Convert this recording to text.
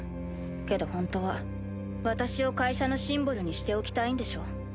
けどほんとは私を会社のシンボルにしておきたいんでしょ？